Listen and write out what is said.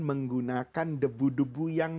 menggunakan debu debu yang